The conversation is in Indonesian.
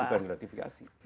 itu bukan gratifikasi